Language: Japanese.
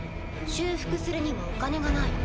修復するにもお金がない。